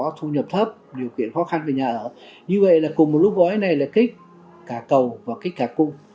thu nhập thấp điều kiện khó khăn về nhà ở như vậy là cùng một lúc gói này là kích cả cầu và kích cả cung